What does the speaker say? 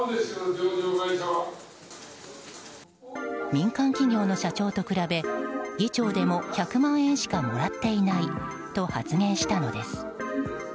民間企業の社長と比べ議長でも１００万円しかもらっていないと発言したのです。